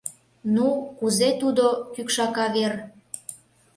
— Ну, кузе тудо кӱкшака вер?